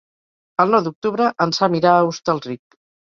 El nou d'octubre en Sam irà a Hostalric.